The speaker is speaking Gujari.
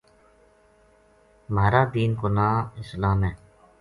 مہار دین کو ناں اسلام ہے۔